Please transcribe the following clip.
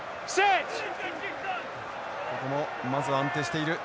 ここもまずは安定している。